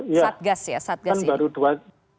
satgas ya satgas ini